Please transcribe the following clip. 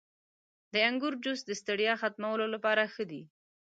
• د انګورو جوس د ستړیا ختمولو لپاره ښه دی.